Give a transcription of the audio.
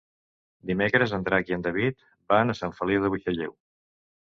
Dimecres en Drac i en David van a Sant Feliu de Buixalleu.